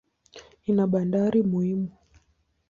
Ina bandari muhimu.